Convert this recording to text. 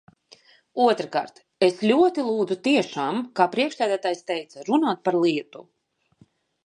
Otrkārt, es ļoti lūdzu tiešām, kā priekšsēdētājs teica, runāt par lietu.